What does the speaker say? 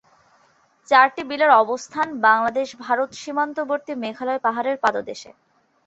চারটি বিলের অবস্থান বাংলাদেশ-ভারত সীমান্তবর্তী মেঘালয় পাহাড়ের পাদদেশে।